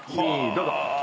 どうぞ。